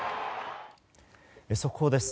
速報です。